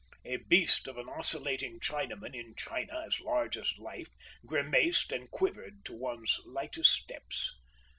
A beast of an oscillating Chinaman in china, as large as life, grimaced and quivered to one's lightest steps.